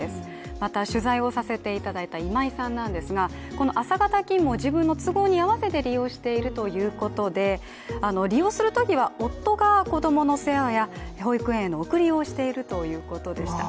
また、取材をさせていただいた今井さんなんですがこの朝型勤務を自分の都合に合わせて利用しているということで、利用するときは、夫が子供の世話や保育園への送りをしているということでした。